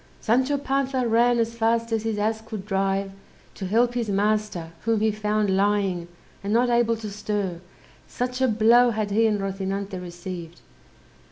Sancho Panza ran as fast as his ass could drive to help his master, whom he found lying, and not able to stir, such a blow had he and Rozinante received.